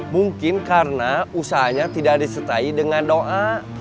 mungkin karena usahanya tidak disertai dengan doa